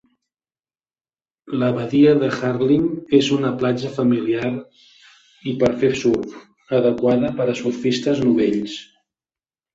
La badia de Harlyn és una platja familiar i per fer surf, adequada per a surfistes novells.